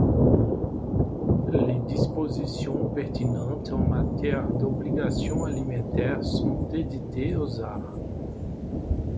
Les dispositions pertinentes en matière d’obligation alimentaire sont édictées aux art.